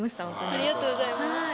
ありがとうございます。